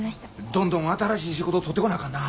どんどん新しい仕事取ってこなあかんな。